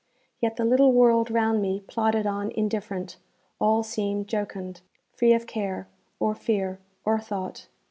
Yet the little world round me plodded on indifferent; all seemed jocund, free of care, or fear, or thought.